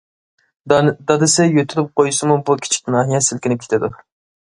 دادىسى يۆتىلىپ قويسىمۇ بۇ كىچىك ناھىيە سىلكىنىپ كېتىدۇ.